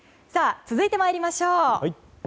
続いて参りましょう。